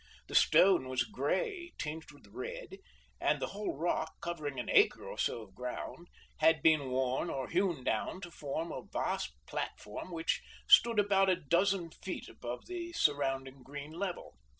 The stone was gray, tinged with red, and the whole rock, covering an acre or so of ground, had been worn or hewn down to form a vast platform which stood about a dozen feet above the surrounding green level.